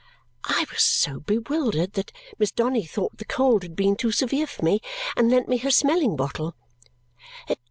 I was so bewildered that Miss Donny thought the cold had been too severe for me and lent me her smelling bottle.